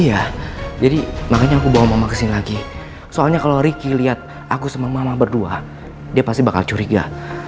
iya jadi makanya aku bawa mama kesini lagi soalnya kalau ricky lihat aku sama mama berdua dia pasti bakal curiga